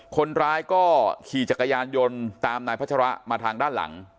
คนร้ายก็ขี่จักรยานยนต์ตามนายพัชระมาทางด้านหลัง